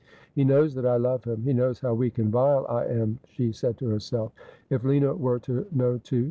' He knows that I love him ; he knows how weak and vile I am,' she said to herself. ' If Lina were to know too